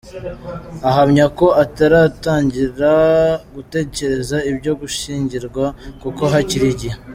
Ahamya ko ataratangira gutekereza ibyo gushyingirwa kuko hakiri igihe.